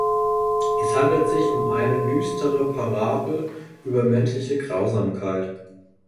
Es handelt sich um eine düstere Parabel über menschliche Grausamkeit.